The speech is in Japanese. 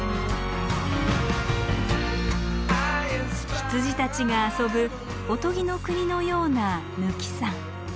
羊たちが遊ぶおとぎの国のような貫山。